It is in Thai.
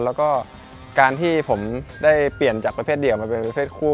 แล้วก็การที่ผมได้เปลี่ยนจากประเภทเดี่ยวมาเป็นประเภทคู่